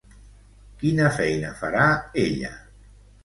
Quina feina farà ella?